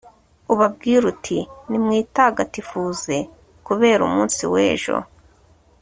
ubabwire uti 'nimwitagatifuze kubera umunsi w'ejo